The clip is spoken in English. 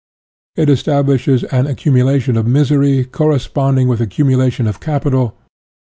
It establishes an accumulation of misery, cor responding with accumulation of capital.